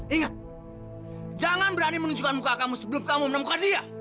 ingat jangan berani menunjukkan muka kamu sebelum kamu menemukan dia